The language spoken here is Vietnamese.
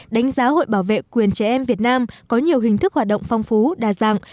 đánh giá hội bảo vệ quyền trẻ em việt nam có nhiều hình thức hoạt động phong phú đa dạng